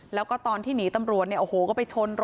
แล้วก็ตอนที่หนีตำรวจเนี่ยโอ้โหก็ไปชนรถ